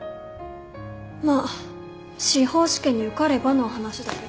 まあ司法試験に受かればの話だけど。